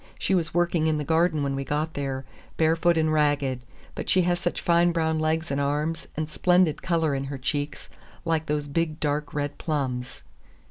She was working in the garden when we got there, barefoot and ragged. But she has such fine brown legs and arms, and splendid color in her cheeks—like those big dark red plums."